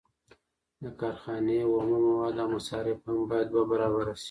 د کارخانې اومه مواد او مصارف هم باید دوه برابره شي